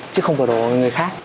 chứ không có đổ vào người khác